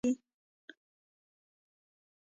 النفس المطمئنه بلل کېږي.